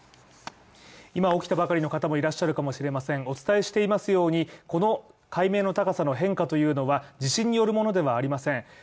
今起きたばかりの方もいらっしゃるかもしれませんお伝えしていますように、この海面の高さの変化というのは地震によるものではありません。